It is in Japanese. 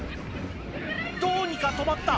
「どうにか止まった」